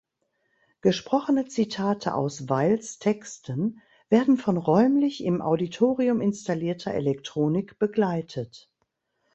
Gesprochene Zitate aus Weils Texten werden von räumlich im Auditorium installierter Elektronik begleitet.